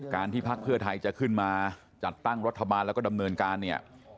ที่พักเพื่อไทยจะขึ้นมาจัดตั้งรัฐบาลแล้วก็ดำเนินการเนี่ย